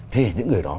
thì những người đó